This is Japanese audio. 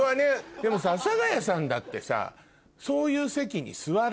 でも阿佐ヶ谷さんだってさ。